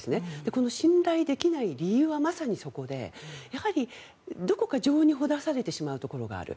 この信頼できない理由はまさにそこでやはり、どこか情にほだされてしまうところがある。